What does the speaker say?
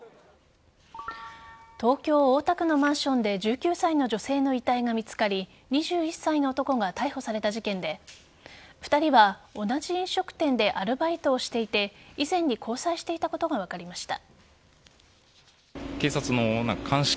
東京・大田区のマンションで１９歳の女性の遺体が見つかり２１歳の男が逮捕された事件で２人は同じ飲食店でアルバイトをしていて以前に交際していたことが分かりました。